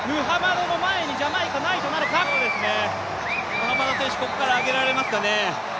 ムハマド選手、ここから上げられますかね。